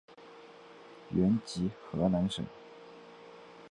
原籍河南省。